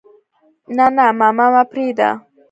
نه نه ماما ما پرېده.